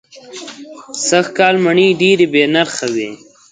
سږ کال مڼې دېرې بې نرخه وې.